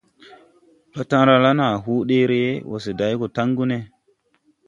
Patala naa hoo ɗeere, wose day go taŋgu ne.